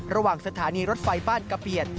ระหว่างสถานีรถไฟบ้านกะเปียด